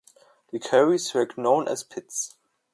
The quarries were known as pits.